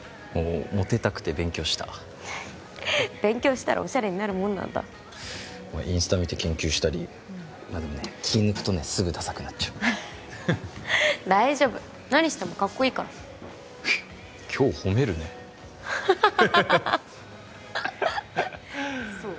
モテたくて勉強した勉強したらオシャレになるもんなんだインスタ見て研究したりまあでもね気抜くとねすぐダサくなっちゃう大丈夫何してもカッコいいから今日褒めるねそう？